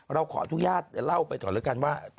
เราขอทุกย่าเล่าไปก่อนละกันว่า